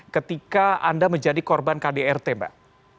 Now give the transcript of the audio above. ketika anda menjadi korban kdrt mbak